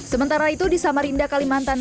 sementara itu di samarinda kalimantan